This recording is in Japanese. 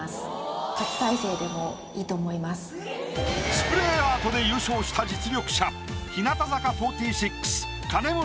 スプレーアートで優勝した実力者。